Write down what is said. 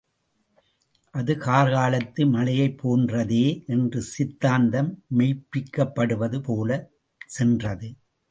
அது கார்காலத்து மழையைப் போன்றதே என்ற சித்தாந்தம் மெய்ப்பிக்கப்படுவது போலச்சென்றது.